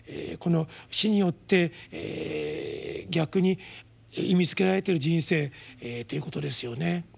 この死によって逆に意味づけられてる人生ということですよね。